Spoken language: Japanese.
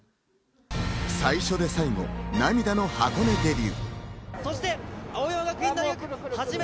最初で最後、涙の箱根デビュー。